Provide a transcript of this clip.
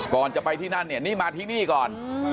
ก่อนจะไปที่นั่นเนี่ยนี่มาที่นี่ก่อน